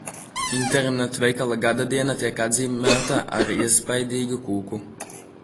Internetveikala gadadiena tiek atzīmēta ar iespaidīgu kūku.